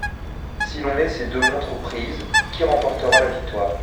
Si l’on met ces deux montres aux prises, qui remportera la victoire ?